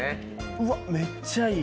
うわ、めっちゃいい。